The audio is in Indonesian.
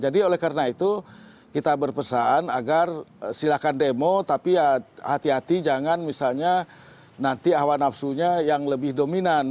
jadi oleh karena itu kita berpesan agar silahkan demo tapi ya hati hati jangan misalnya nanti hawa nafsunya yang lebih dominan